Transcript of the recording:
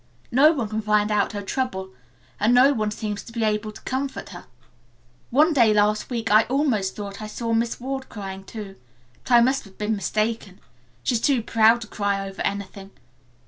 No one can find out her trouble and no one seems to be able to comfort her. One day last week I almost thought I saw Miss Ward crying too, but I must have been mistaken. She is too proud to cry over anything.